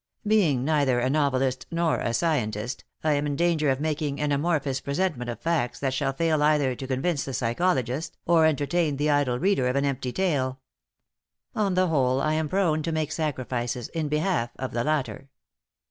Being neither a novelist nor a scientist, I am in danger of making an amorphous presentment of facts that shall fail either to convince the psychologist or entertain the idle reader of an empty tale. On the whole, I am prone to make sacrifices in behalf of the latter.